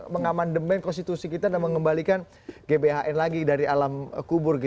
mengamandemen konstitusi kita dan mengembalikan gbhn lagi dari alam kubur